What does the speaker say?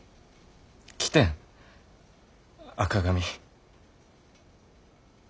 来てん赤紙。